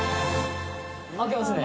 開けますね。